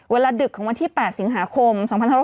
ดึกของวันที่๘สิงหาคม๒๕๖๒